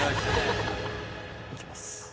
いきます